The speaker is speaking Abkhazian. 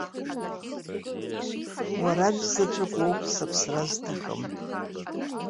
Уара аӡәзаҵәык уоуп сыԥсра зҭахым.